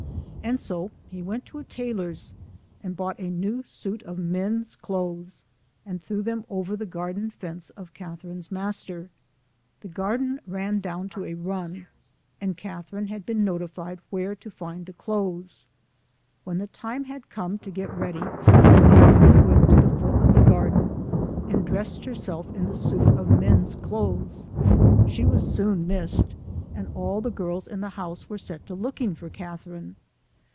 And so he went to a tailor's, and bought a new suit of men's clothes, and threw them over the garden fence of Catherine's master. The garden ran down to a run, and Catherine had been notified where to find the clothes. When the time had come to get ready, Catherine went to the foot of the garden and dressed herself in the suit of men's clothes. She was soon missed, and all the girls in the house were set to looking for Catherine.